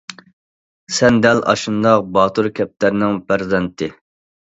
سەن دەل ئاشۇنداق باتۇر كەپتەرنىڭ پەرزەنتى.